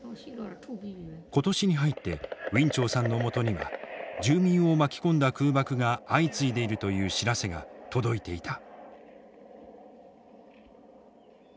今年に入ってウィン・チョウさんのもとには住民を巻き込んだ空爆が相次いでいるという知らせが届いていた。